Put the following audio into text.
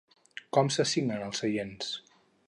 Com s'assignen els seients?